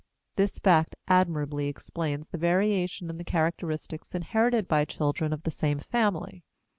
This fact admirably explains the variation in the characteristics inherited by children of the same family.